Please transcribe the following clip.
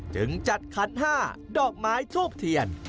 จึงจัดขัน๕ดอกไม้ทูบเทียน